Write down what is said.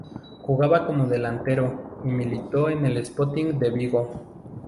Jugaba como delantero y militó en el Sporting de Vigo.